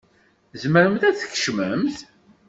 Tzemremt ad tkecmemt.